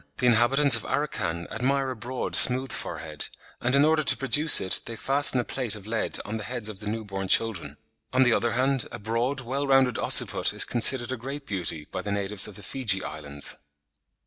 The inhabitants of Arakhan admire a broad, smooth forehead, and in order to produce it, they fasten a plate of lead on the heads of the new born children. On the other hand, "a broad, well rounded occiput is considered a great beauty" by the natives of the Fiji Islands.